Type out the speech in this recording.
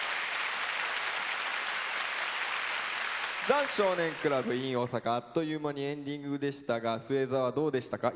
「ザ少年倶楽部ｉｎ大阪」あっという間にエンディングでしたが末澤どうでしたか？